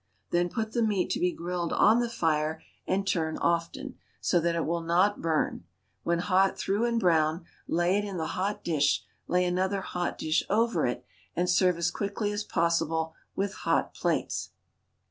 Then put the meat to be grilled on the fire and turn often, so that it will not burn; when hot through and brown, lay it in the hot dish, lay another hot dish over it, and serve as quickly as possible with hot plates.